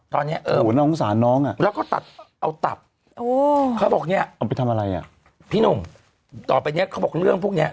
ตอนนี้เออแล้วก็ตัดเอาตับเขาบอกเนี่ยพี่หนุ่มต่อไปเนี่ยเขาบอกเรื่องพวกเนี่ย